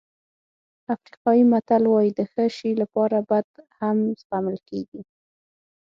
افریقایي متل وایي د ښه شی لپاره بد هم زغمل کېږي.